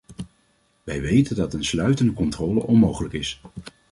Wij weten dat een sluitende controle onmogelijk is.